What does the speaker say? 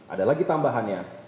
ada lagi tambahannya